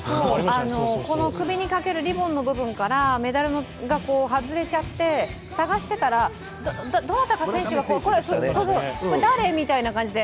首にかけるリボンの部分からメダルが外れちゃって探してたら、どなたか選手がこれ誰？みたいな感じで。